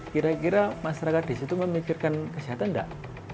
kira kira masyarakat di situ memikirkan kesehatan nggak